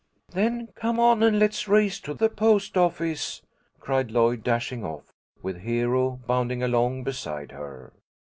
"Then come on, and let's race to the post office," cried Lloyd, dashing off, with Hero bounding along beside her.